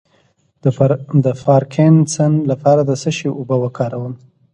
د پارکینسن لپاره د څه شي اوبه وکاروم؟